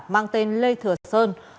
mang tên lê thừa sơn